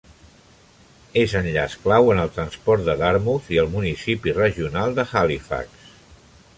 És enllaç clau en el transport de Dartmouth i el municipi regional d'Halifax.